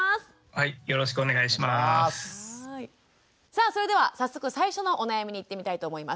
さあそれでは早速最初のお悩みにいってみたいと思います。